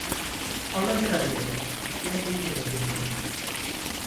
Alın karıyı, geldiği yere götürün…